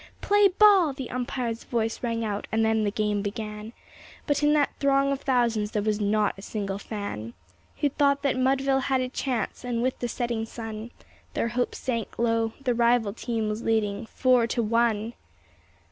"Play ball!" the umpire's voice rang out, and then the game began; But in that throng of thousands there was not a single fan Who thought that Mudville had a chance; and with the setting sun Their hopes sank low the rival team was leading "four to one."